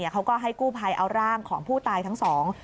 เขาก็ให้กู้ภัยเอาร่างของผู้ตายทั้งสอง